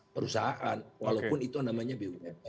perusahaan walaupun itu namanya bumn